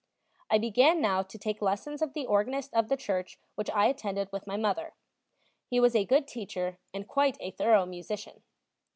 I began now to take lessons of the organist of the church which I attended with my mother; he was a good teacher and quite a thorough musician.